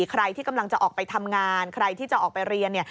ใครที่กำลังจะออกไปทำงานใครที่จะออกไปเรียน